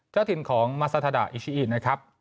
เจ้าถิ่นของมาซาทาดาอิชิอินะครับ